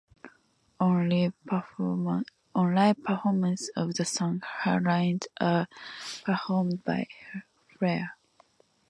On live performances of the song, her lines are performed by Flea.